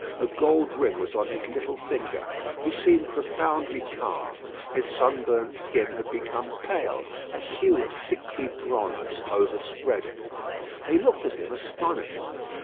A gold ring was on his little finger. He seemed profoundly calm. His sunburnt skin had become pale: a hue of sickly bronze overspread it. They looked at him astonished.